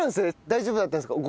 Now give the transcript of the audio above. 大丈夫だったんですか？